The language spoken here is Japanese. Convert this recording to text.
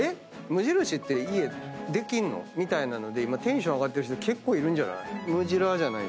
無印って家できんの？みたいなので今テンション上がってる人結構いるんじゃない？